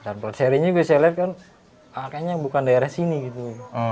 dan buat seri ini bisa dilihat kan kayaknya bukan daerah sini gitu